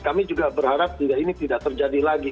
kami juga berharap ini tidak terjadi lagi